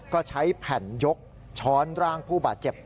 ก็ใช้แผ่นยกช้อนร่างผู้บาดเจ็บ